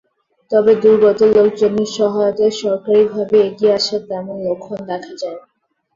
তবে দুর্গত লোকজনের সহায়তায় সরকারিভাবে এগিয়ে আসার তেমন লক্ষণ দেখা যায়নি।